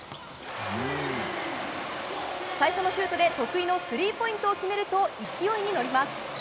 最初のシュートで得意のスリーポイントを決めると勢いに乗ります。